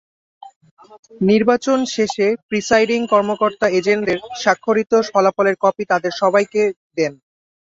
নির্বাচন শেষে প্রিসাইডিং কর্মকর্তা এজেন্টদের স্বাক্ষরিত ফলাফলের কপি তাঁদের সবাইকে দেন।